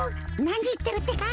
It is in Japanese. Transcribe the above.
なにいってるってか？